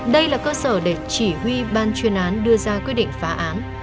đây là cơ sở để chỉ huy ban chuyên án đưa ra quyết định phá án